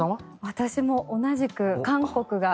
私も同じく韓国が。